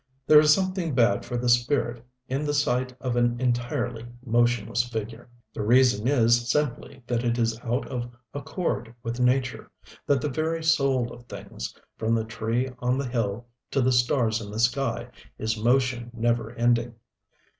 There is something bad for the spirit in the sight of an entirely motionless figure. The reason is simply that it is out of accord with nature that the very soul of things, from the tree on the hill to the stars in the sky, is motion never ending.